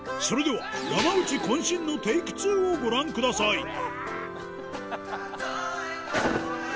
それでは山内渾身のテイク２をご覧ください